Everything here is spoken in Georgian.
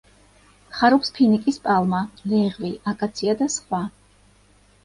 ხარობს ფინიკის პალმა, ლეღვი, აკაცია და სხვა.